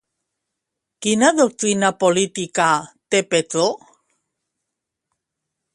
Quina doctrina política té Petro?